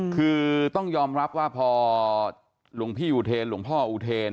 คือต้องยอมรับว่าพอหลวงพี่อุเทรหลวงพ่ออุเทน